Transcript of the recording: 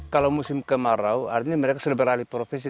kalau musim kemarau artinya mereka sudah beralih profesi